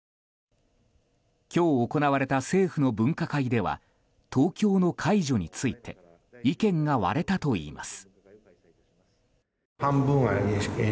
今日行われた政府の分科会では東京の解除について意見が割れたといいます。